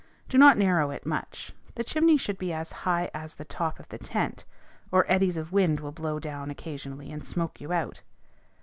Do not narrow it much: the chimney should be as high as the top of the tent, or eddies of wind will blow down occasionally, and smoke you out.